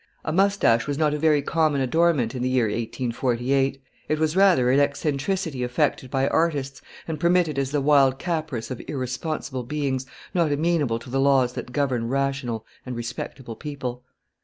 A moustache was not a very common adornment in the year 1848. It was rather an eccentricity affected by artists, and permitted as the wild caprice of irresponsible beings, not amenable to the laws that govern rational and respectable people.